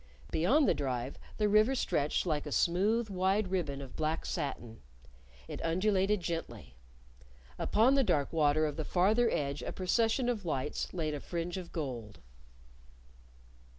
Beyond the Drive the river stretched like a smooth wide ribbon of black satin. It undulated gently. Upon the dark water of the farther edge a procession of lights laid a fringe of gold.